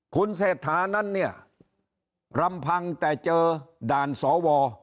คุณเศรษฐานั้นเนี่ยรำพังแต่เจอด่านสว